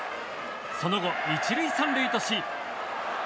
その後、１塁３塁とし。